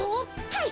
はい！